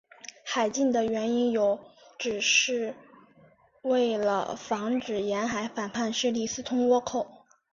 海禁的原因有指是为了防止沿海反叛势力私通倭寇。